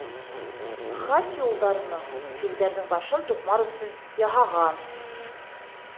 Хати улдарының — филдәрҙең башын туҡмар өсөн яһаған.